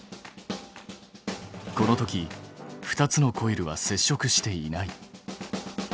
このとき２つのコイルは接触していない。